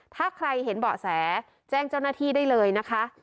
ถ้าใครเห็นเบาะแสแจ้งเจ้าหน้าที่ได้เลยนะคะ